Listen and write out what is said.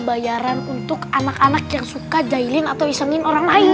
bayaran untuk anak anak yang suka jailing atau isengin orang lain